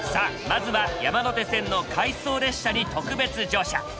まずは山手線の回送列車に特別乗車。